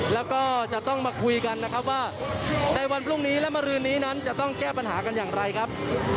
แล้วก็จะต้องมาคุยกันนะครับว่าในวันพรุ่งนี้และมารืนนี้นั้นจะต้องแก้ปัญหากันอย่างไรครับ